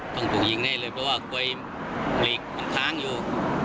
ต้องถูกยิงแน่เลยเพราะว่ากล้วยหลีกมันค้างอยู่